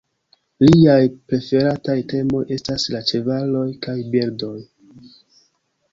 Liaj preferataj temoj estas la ĉevaloj kaj birdoj.